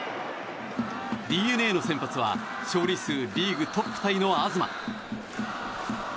ＤｅＮＡの先発は勝利数リーグトップタイの東。